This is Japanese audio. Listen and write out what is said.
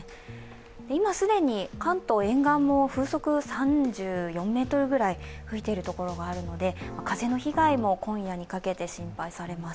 今、既に関東沿岸も風速３４メートルぐらい吹いているところがあるので、風の被害も今夜にかけて心配されます。